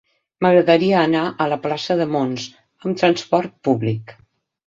M'agradaria anar a la plaça de Mons amb trasport públic.